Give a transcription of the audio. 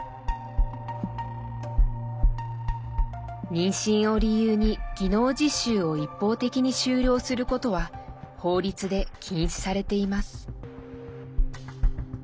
妊娠を理由に技能実習を一方的に終了することは法律で禁止されています。